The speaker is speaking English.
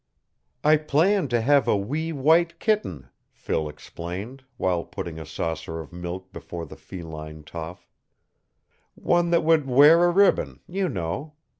"I planned to have a wee white kitten," Phil explained, while putting a saucer of milk before the feline tough. "One that would wear a ribbon, you know.